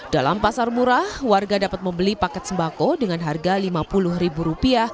dalam pasar murah warga dapat membeli paket sembako dengan harga rp lima puluh